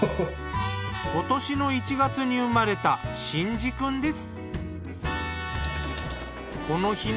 今年の１月に生まれた真志くんです。